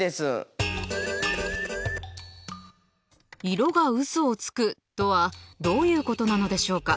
色がうそをつくとはどういうことなのでしょうか？